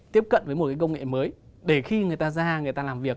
tiếp cận với một công nghệ mới để khi người ta ra người ta làm việc